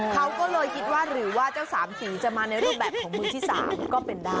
เขาก็เลยคิดว่าหรือว่าเจ้าสามสีจะมาในรูปแบบของมือที่๓ก็เป็นได้